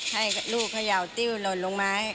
ให้ลูกเขย่าติ้วหล่นลงไม้